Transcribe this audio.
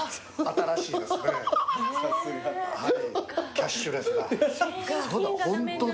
キャッシュレスだ。